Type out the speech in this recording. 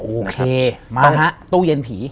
โอเคมาฮะตู้เย็นผี